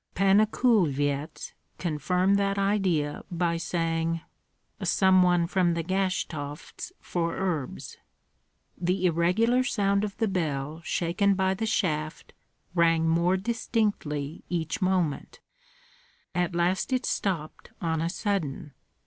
Panna Kulvyets confirmed that idea by saying, "Some one from the Gashtovts for herbs." The irregular sound of the bell shaken by the shaft rang more distinctly each moment; at last it stopped on a sudden.